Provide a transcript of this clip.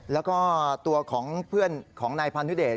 แล้วก็ตัวของเพื่อนของนายพานุเดช